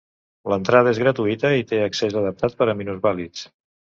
L'entrada és gratuïta i té accés adaptat per a minusvàlids.